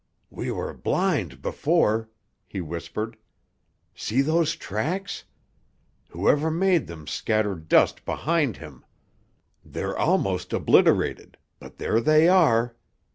"We were blind before," he whispered. "See those tracks? Whoever made them scattered dust behind him. They're almost obliterated—but there they are!